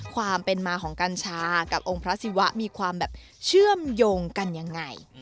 ความเป็นมาของกัญชากับองค์พระศิวะมีความแบบเชื่อมโยงกันยังไง